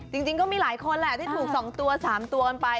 จริงก็มีหลายคนแหละที่ถูก๒ตัว๓ตัวกันไป